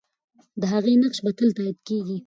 د هغې نقش به تل تایید کېږي.